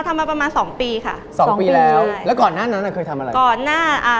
ทำมาประมาณ๒ปีค่ะ